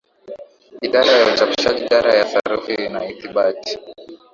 Idara ya Uchapishaji dara ya Sarufi na Ithibati